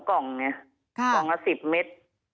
กล่องละ๑๐เม็ด